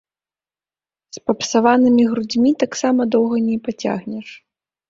З папсаванымі грудзьмі таксама доўга не пацягнеш.